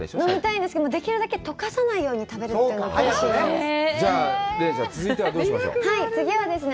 飲みたいんですけど、できるだけ溶かさないように食べるというのがポリシーなんです。